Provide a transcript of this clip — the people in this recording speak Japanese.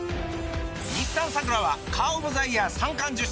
日産サクラはカーオブザイヤー三冠受賞！